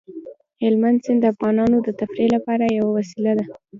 هلمند سیند د افغانانو د تفریح لپاره یوه وسیله ده.